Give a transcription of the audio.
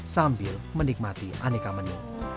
sambil menikmati angkringan